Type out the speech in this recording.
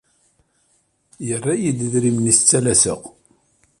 Yerra-yi-d idrimen i as-ttalaseɣ.